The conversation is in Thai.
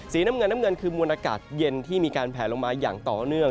น้ำเงินน้ำเงินคือมวลอากาศเย็นที่มีการแผลลงมาอย่างต่อเนื่อง